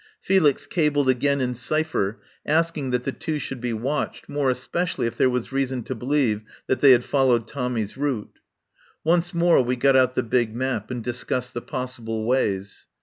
Felix cabled again in cypher, asking that the two should be watched, more espe cially if there was reason to believe that they had followed Tommy's route. Once more we got out the big map and discussed the possible ways.